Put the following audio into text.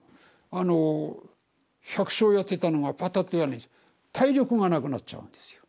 あの百姓やってたのがパタッとやんねえし体力がなくなっちゃうんですよ。